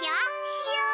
しよう！